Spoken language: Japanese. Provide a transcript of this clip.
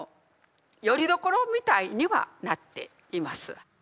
よりどころみたいにはなっています。